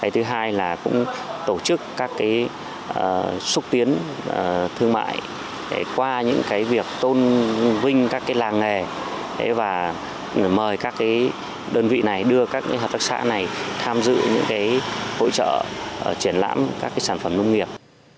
thứ hai là cũng tổ chức các xúc tiến thương mại qua những việc tôn vinh các làng nghề và mời các đơn vị này đưa các hợp tác xã này tham dự những hỗ trợ triển lãm các sản phẩm nông nghiệp